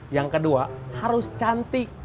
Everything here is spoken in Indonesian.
yang kedua harus cantik